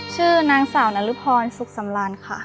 ชื่อนางสาวนรพรสุขสำรานค่ะ